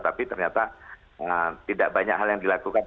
tapi ternyata tidak banyak hal yang dilakukan